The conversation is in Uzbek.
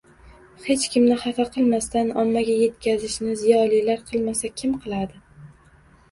hech kimni xafa qilmasdan ommaga yetkazishni ziyolilar qilmasa kim qiladi?